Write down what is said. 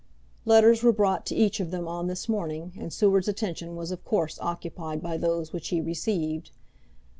Letters were brought to each of them on this morning, and Seward's attention was of course occupied by those which he received.